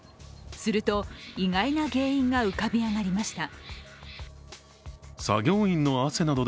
すると、意外な原因が浮かび上がりました。